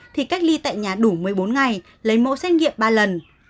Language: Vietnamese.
thì cách ly tại nhà đủ một mươi bốn ngày lấy mẫu xét nghiệm ba lần